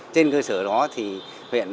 trên cơ sở đó thì huyện